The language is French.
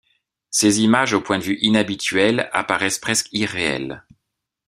Ces images au point de vue inhabituel apparaissent presque irréelles.